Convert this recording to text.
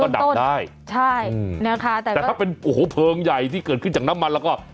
ดับได้ใช่นะคะแต่ถ้าเป็นโอ้โหเพลิงใหญ่ที่เกิดขึ้นจากน้ำมันแล้วก็